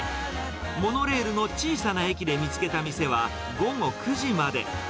モノレールの小さな駅で見つけた店は午後９時まで。